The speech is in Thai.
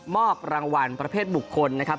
รางวัลประเภทบุคคลนะครับ